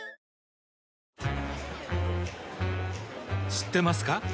知ってますか？